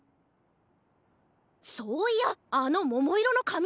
そういやあのももいろのかみのおとこ。